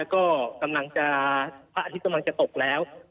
กำลังจะตกแล้ว